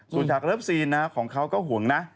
สู่ฉากรับซีนของเขาก็ห่วงนะ